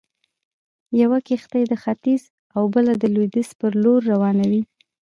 يوه کښتۍ د ختيځ او بله د لويديځ پر لور روانوي.